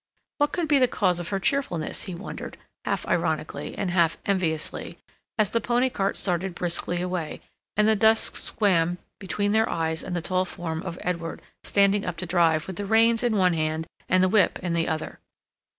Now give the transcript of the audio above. What could be the cause of her cheerfulness, he wondered, half ironically, and half enviously, as the pony cart started briskly away, and the dusk swam between their eyes and the tall form of Edward, standing up to drive, with the reins in one hand and the whip in the other.